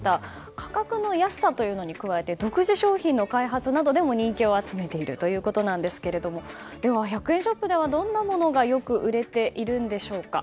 価格の安さというのに加えて独自商品の開発などでも人気を集めているということですがでは、１００円ショップではどんなものがよく売れているんでしょうか。